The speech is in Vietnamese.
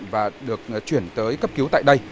và được chuyển tới cấp cứu tại đây